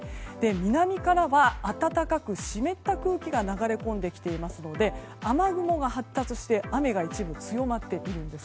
南からは、暖かく湿った空気が流れ込んできていますので雨雲が発達して雨が一部強まってくるんです。